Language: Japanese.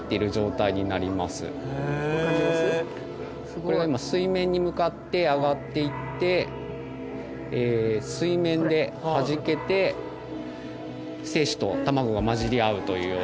これが今水面に向かって上がっていって水面ではじけて精子と卵がまじり合うというような。